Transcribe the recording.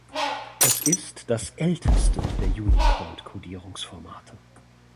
Es ist das älteste der Unicode-Kodierungsformate.